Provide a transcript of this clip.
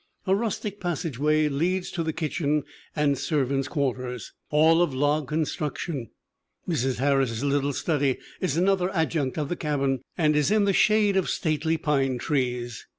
A rustic passageway leads to the kitchen and servants' quarters, all of log con struction. Mrs. Harris's little study is another adjunct of the cabin and is in the shade of stately pine trees.